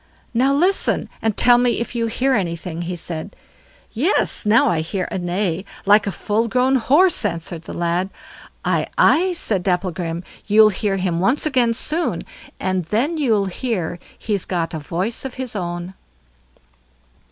"Now listen, and tell me if you hear anything", he said. "Yes, now I hear a neigh like a full grown horse", answered the lad. "Aye! aye!" said Dapplegrim, "you'll hear him once again soon, and then you'll hear he's got a voice of his own."